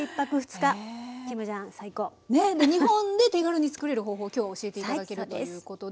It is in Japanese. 日本で手軽につくれる方法を今日教えて頂けるということで。